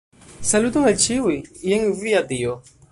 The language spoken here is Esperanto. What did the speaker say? Saluton al ĉiuj, jen via dio.